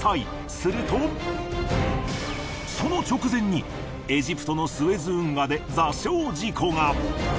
するとその直前にエジプトのスエズ運河で座礁事故が。